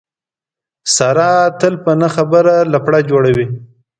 ساره تل په نه خبره لپړه جوړوي.